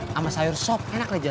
sama sayur sop enak aja